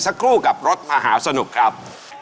สักครู่กับรถมหาสนุกครับ